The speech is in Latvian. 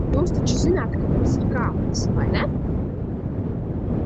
Jūs taču zināt, ka mums ir kāpnes, vai ne?